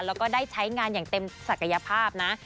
แล้วก็ได้ใช้งานอย่างเต็มศักยภาพนะ